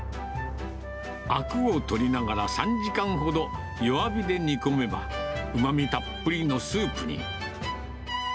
あくを取りながら３時間ほど弱火で煮込めば、うまみたっぷりのスープに。